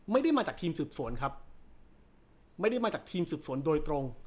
ไม่ได้มาจากทีมสืบสวนครับไม่ได้มาจากทีมสืบสวนโดยตรง